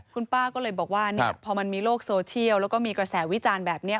คุณป้าก็เลยบอกว่าพอมันมีโลกโซเชียลแล้วก็มีกระแสวิจารณ์แบบนี้